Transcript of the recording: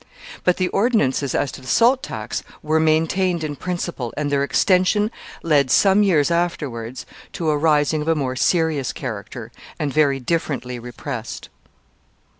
But the ordinances as to the salt tax were maintained in principle, and their extension led, some years afterwards, to a rising of a more serious character, and very differently repressed.